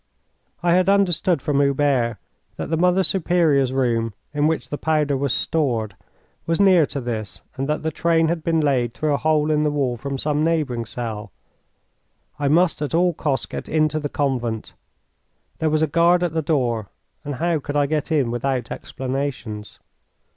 I had understood from Hubert that the Mother Superior's room, in which the powder was stored, was near to this, and that the train had been laid through a hole in the wall from some neighbouring cell. I must, at all costs, get into the convent. There was a guard at the door, and how could I get in without explanations?